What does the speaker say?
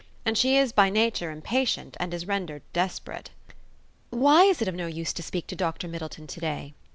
And she is by nature impatient, and is rendered desperate." "Why is it of no use to speak to Dr. Middleton today?"